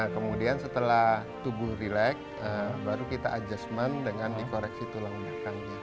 kemudian setelah tubuh rilek baru kita adjustment dengan dikoreksi tulang belakangnya